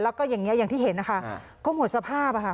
แล้วก็อย่างนี้อย่างที่เห็นนะคะก็หมดสภาพอะค่ะ